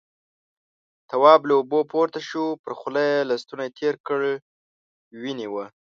تواب له اوبو پورته شو، پر خوله يې لستوڼی تېر کړ، وينې وه.